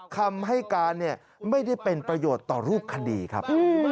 คำให้การไม่ได้เป็นประโยชน์ต่อรูปคดีครับ